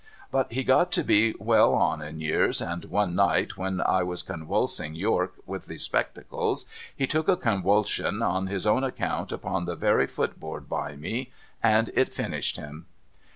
But he got to be well on in years, and one night when I was conwulsing ACQUAINTED WITH A GIANT 391 York with the spectacles, he took a conwulsion on his own account upon the very footboard by me, and it finished him.